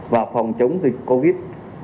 và phòng chống dịch covid một mươi chín